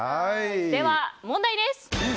では問題です。